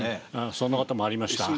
そんなこともありました。